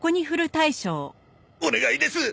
お願いです！